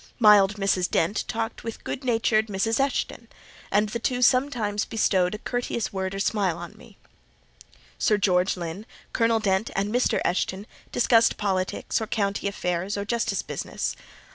Mild Mrs. Dent talked with good natured Mrs. Eshton; and the two sometimes bestowed a courteous word or smile on me. Sir George Lynn, Colonel Dent, and Mr. Eshton discussed politics, or county affairs, or justice business.